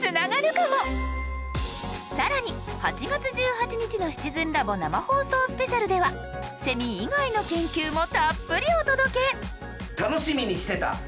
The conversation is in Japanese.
更に８月１８日の「シチズンラボ生放送スペシャル」ではセミ以外の研究もたっぷりお届け！